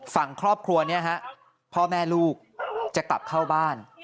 ฝั่งครอบครัวนี้ฮะพ่อแม่ลูกจะกลับเข้าบ้าน